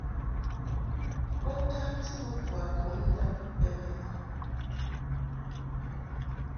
Bo tamti mɨ kwakum bɛ mɛʼ.